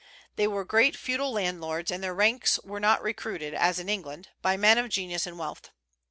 They were great feudal landlords; and their ranks were not recruited, as in England, by men of genius and wealth.